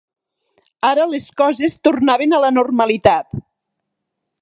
Ara les coses tornaven a la normalitat